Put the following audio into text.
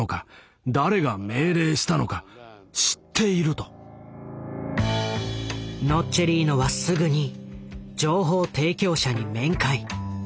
☎刑事から連絡がありノッチェリーノはすぐに情報提供者に面会。